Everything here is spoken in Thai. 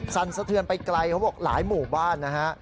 สั่นสะเทือนไปไกลเขาบอกหลายหมู่บ้านนะฮะ